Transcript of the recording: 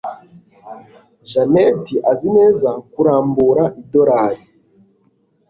Janet azi neza kurambura idorari.